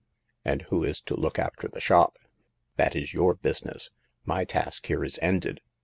" And who is to' look after the shop ?"That is your business. My task here is ended.